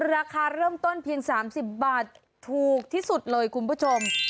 ราคาเริ่มต้นเพียง๓๐บาทถูกที่สุดเลยคุณผู้ชม